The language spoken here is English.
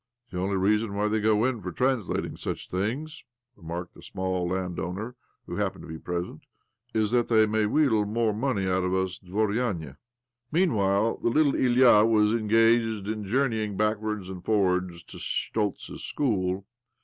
" The only reason why, they go in for trans lating such things," remarked a small land owner who happened to be present, '■' is that they may w'heedle more money out of us dvorianey i Meanwhile the little Ilya was engaged in journeying backwards and forwards to Schtoltz's school.